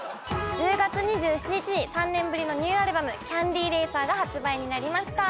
１０月２７日に３年ぶりのニューアルバム「キャンディーレーサー」が発売になりました